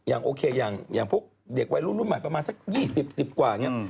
อย่างโอเคอย่างพวกเด็กวัยรุ่นใหม่ประมาณสัก๒๐๑๐กว่าเนี่ย